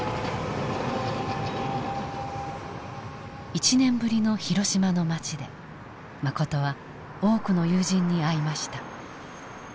１年ぶりの広島の街でマコトは多くの友人に会いました。